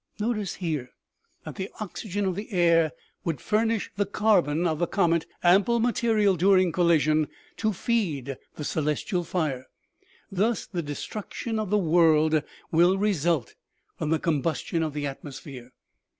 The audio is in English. Notice here that the oxygen 64 OMEGA. of the air would furnish the carbon of the comet ample material during collision to feed the celestial fire. " Thus the destruction of the world will result from the combustion of the atmosphere.